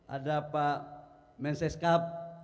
ada pak menseskap